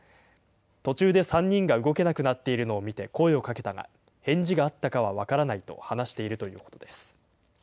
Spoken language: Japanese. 途中で３人が動けなくなっているのを見て声をかけたが、返事があったかは分からないと話しているということです。